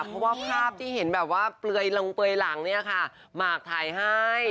เพราะว่าภาพที่เห็นแบบว่าเปลื้อยลำหลังหมากถ่ายให้